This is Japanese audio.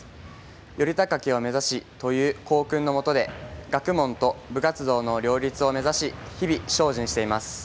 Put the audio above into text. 「より高きを目指し」という校訓のもとで学問と部活動の両立を目指し日々精進しています。